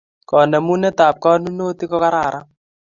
Kanemunet ab kanonotik ko kararan